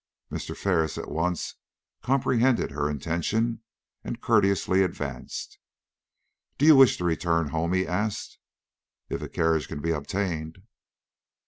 Mr. Ferris at once comprehended her intention, and courteously advanced. "Do you wish to return home?" he asked. "If a carriage can be obtained."